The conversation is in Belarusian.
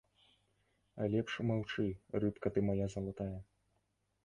Лепш маўчы, рыбка ты мая залатая.